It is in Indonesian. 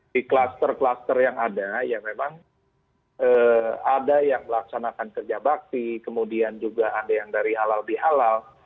di kluster kluster yang ada ya memang ada yang melaksanakan kerja bakti kemudian juga ada yang dari halal bihalal